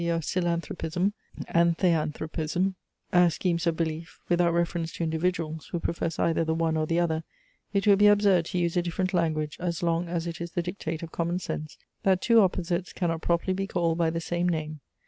e. of Psilanthropism and Theanthropism as schemes of belief, without reference to individuals, who profess either the one or the other, it will be absurd to use a different language as long as it is the dictate of common sense, that two opposites cannot properly be called by the same name.